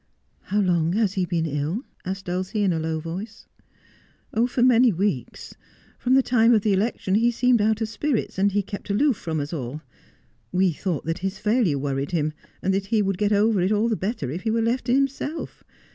' How long has he been ill ?' asked Dulcie in a low voice. ' For many weeks. From the time of the election he seemed out of spirits, and he kept aloof from us all. We thought that his failure worried him, and that he would get over it all the better if he were left to himself.